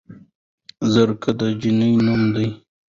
زرکه د جينۍ نوم دے